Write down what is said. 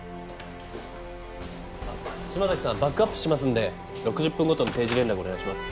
島崎さんバックアップしますので６０分ごとの定時連絡お願いします。